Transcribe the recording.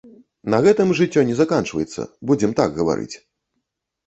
На гэтым жыццё не заканчваецца, будзем так гаварыць!